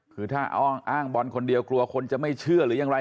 คือถ้าอ้างบอลคนเดียวกลัวคนจะไม่เชื่อหรือยังไร